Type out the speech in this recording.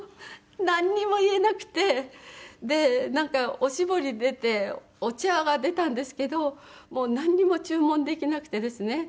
でなんかおしぼり出てお茶が出たんですけどもうなんにも注文できなくてですね